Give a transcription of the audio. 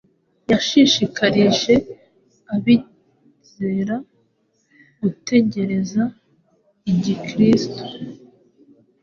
Yashishikarije abizera gutegereza igihe Kristo,